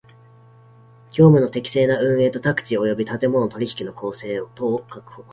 業務の適正な運営と宅地及び建物の取引の公正とを確保